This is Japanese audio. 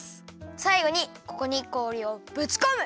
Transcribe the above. さいごにここに氷をぶちこむ！